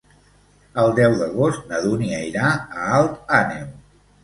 El deu d'agost na Dúnia irà a Alt Àneu.